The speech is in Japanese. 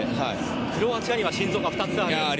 クロアチアには心臓が２つあると。